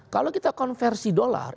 kalau kita konversi dolar